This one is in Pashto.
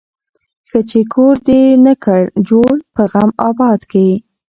ښه چي کور دي نه کړ جوړ په غم آباد کي